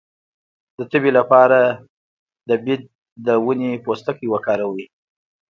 د تبې لپاره د بید د ونې پوستکی وکاروئ